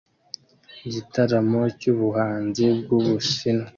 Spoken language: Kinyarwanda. Igitaramo cyubuhanzi bwubushinwa